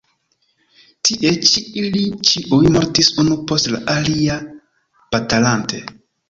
Tie ĉi ili ĉiuj mortis unu post la alia batalante.